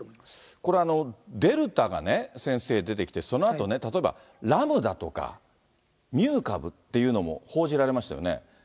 これ、デルタが先生、そのあと、例えばラムダとか、ミュー株っていうのも報じられましたよね。